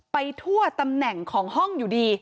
ไปทั่วตำแหน่งของห้องอยู่ดี